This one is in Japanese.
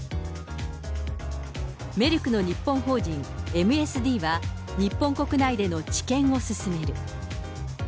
メルクの日本法人、ＭＳＤは日本国内での治験を進める。